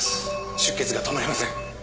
出血が止まりません。